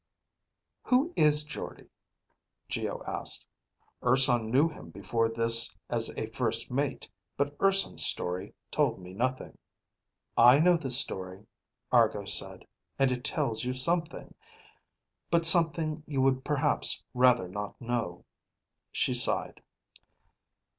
"Who is Jordde?" Geo asked. "Urson knew him before this as a first mate. But Urson's story told me nothing." "I know the story," Argo said, "and it tells you something, but something you would perhaps rather not know." She sighed.